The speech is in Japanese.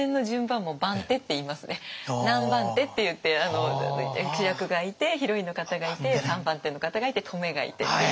確かに何番手っていって主役がいてヒロインの方がいて３番手の方がいてトメがいてっていう。